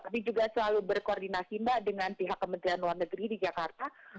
kami juga selalu berkoordinasi mbak dengan pihak kementerian luar negeri di jakarta